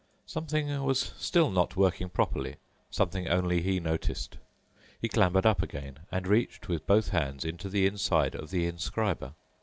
Something was still not working properly, something only he noticed. He clambered up again and reached with both hands into the inside of the inscriber.